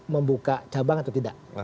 membuka cabang atau tidak